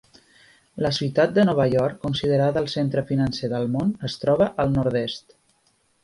La ciutat de Nova York, considerada el centre financer del món, es troba al nord-est.